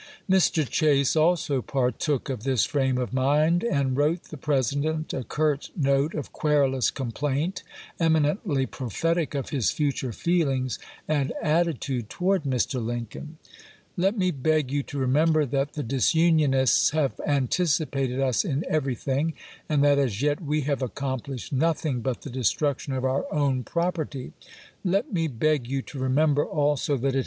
Mr. Chase also partook of this frame of mind, and wrote the President a curt note of querulous complaint, eminently prophetic of his future feelings and attitude toward Mr. Lincoln : Let me beg you to remember that the disunionists have anticipated us in everything, and that as yet we have accomphshed nothing but the destruction of our REBELLIOUS MARYLAND 167 own property. Let me beg you to remember also that it chap.